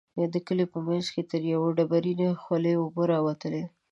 د کلي په منځ کې تر يوې ډبرينې خولۍ اوبه راوتلې.